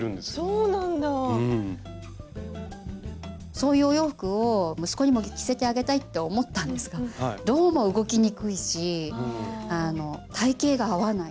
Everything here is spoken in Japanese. そういうお洋服を息子にも着せてあげたいって思ったんですがどうも動きにくいし体型が合わない。